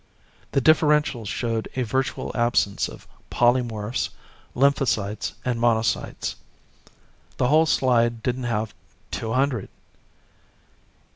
The differential showed a virtual absence of polymorphs, lymphocytes and monocytes. The whole slide didn't have two hundred.